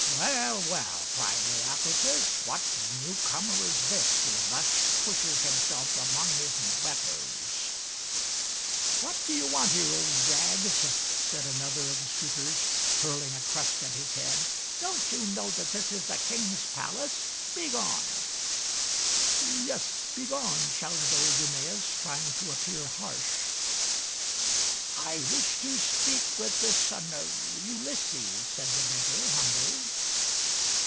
"Well, well! " cried Leocritus. "What newcomer is this who thus pushes himself among his betters }" bo I70 THIRTY MORE FAMOUS STORIES " What do you want here, Old Rags ?" said another of the suitors, hurling a crust at his head. " Don't you know that this is the king's palace ? Begone !"" Yes, begone !" shouted old Eumaeus, trying to appear harsh. " I wish to speak with the son of Ulysses," said the beggar, humbly.